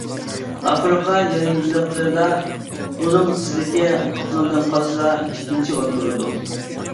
ئافرىقا يايلىقىدا ئۇنىڭ تېزلىكى قاپلاندىن قالسىلا ئىككىنچى ئورۇندا تۇرىدۇ.